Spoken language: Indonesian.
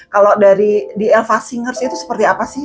kalau dari di elva singers itu seperti apa sih